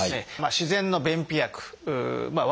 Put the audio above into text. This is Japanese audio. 自然の便秘薬まあ